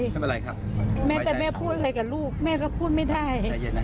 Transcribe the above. ทำอะไรครับแม้แต่แม่พูดอะไรกับลูกแม่ก็พูดไม่ได้